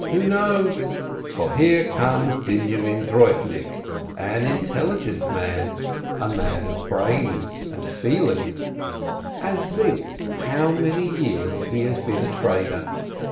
Who knows? For here comes Binyomin DroibniK, an intelligent man, a man of brains 244 LERNER and feeling. And think how many years he has been a trader